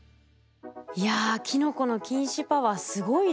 いやキノコの菌糸パワーすごいですね。